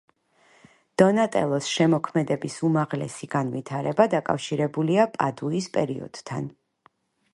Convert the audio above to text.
დონატელოს შემოქმედების უმაღლესი განვითარება დაკავშირებულია პადუის პერიოდთან.